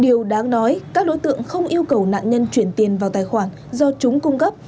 điều đáng nói các đối tượng không yêu cầu nạn nhân chuyển tiền vào tài khoản do chúng cung cấp